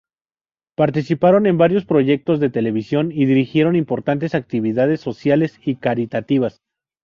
Participaron en varios proyectos de televisión y dirigieron importantes actividades sociales y caritativas.